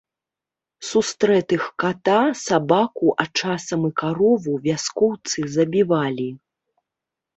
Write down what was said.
Сустрэтых ката, сабаку, а часам і карову вяскоўцы забівалі.